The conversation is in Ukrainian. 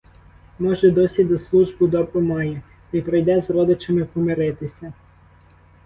Може, досі де службу добру має, то й прийде з родичами помиритися.